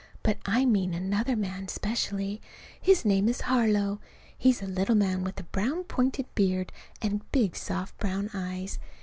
But I mean another man specially. His name is Harlow. He's a little man with a brown pointed beard and big soft brown eyes.